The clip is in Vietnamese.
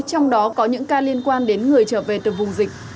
trong đó có những ca liên quan đến người trở về từ vùng dịch